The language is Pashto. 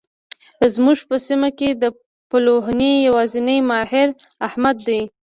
زموږ په سیمه کې د پلوهنې يوازنی ماهر؛ احمد دی.